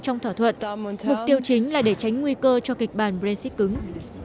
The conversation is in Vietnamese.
trong thỏa thuận mục tiêu chính là để tránh nguy cơ cho kịch bản brexit cứng